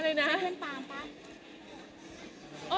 เป็นเพื่อนปากป่ะคะ